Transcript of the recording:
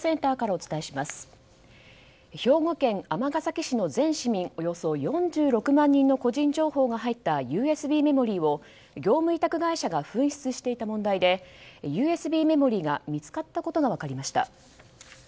およそ４６万人の個人情報が入ったＵＳＢメモリーを業務委託会社が紛失していた問題でＵＳＢメモリーが見つかったことが分かりました。